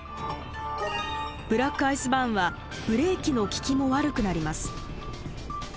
ブラックアイスバーンはブレーキの効きも悪くなります。